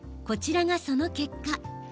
こちらが、その結果。